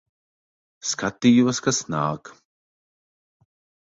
Skatījos, kas nāk.